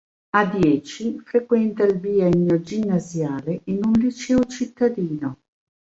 A dieci frequenta il biennio ginnasiale in un liceo cittadino.